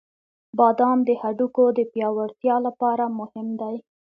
• بادام د هډوکو د پیاوړتیا لپاره مهم دی.